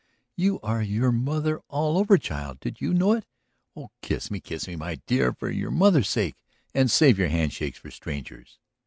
You are your mother all over, child; did you know it? Oh, kiss me, kiss me, my dear, for your mother's sake, and save your hand shakes for strangers."